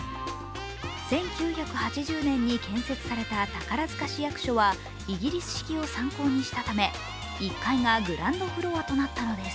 １９８０年に建設された宝塚市役所はイギリス式を参考にしたため１階がグランドフロアとなったのです。